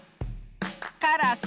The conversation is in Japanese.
カラス。